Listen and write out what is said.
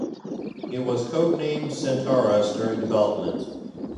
It was code-named "Centaurus" during development.